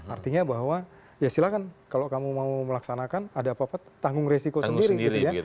artinya bahwa ya silahkan kalau kamu mau melaksanakan ada apa apa tanggung resiko sendiri